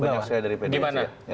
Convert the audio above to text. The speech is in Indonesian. banyak sekali dari pdip